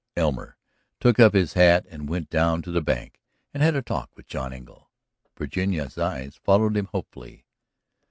Elmer took up his hat and went down to the bank and had a talk with John Engle. Virginia's eyes followed him hopefully.